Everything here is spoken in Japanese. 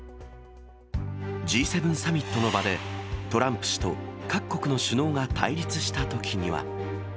Ｇ７サミットの場でトランプ氏と各国の首脳が対立したときには。